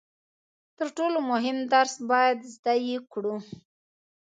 تر ټولو مهم درس باید زده یې کړو.